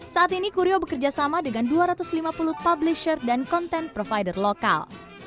saat ini kuryo bekerja sama dengan dua ratus lima puluh publisher dan konten provider lokal